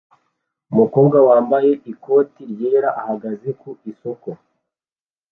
Umukobwa wambaye ikote ryera ahagaze ku isoko